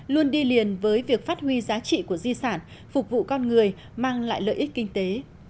luôn đi liền với việc phát huy giá trị của di sản phục vụ con người mang lại lợi ích kinh tế